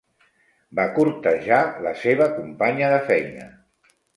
Va cortejar la seva companya de feina.